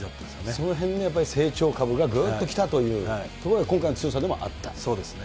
そのへんね、やっぱり成長株がぐーんときたというところが今回の強さでもあっそうですね。